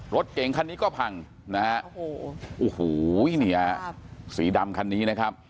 รถเก่งคันนี้ก็พังนะฮะโอ้โหเนี่ยสีดำคันนี้นะครับ